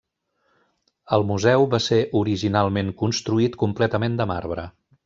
El museu va ser originalment construït completament de marbre.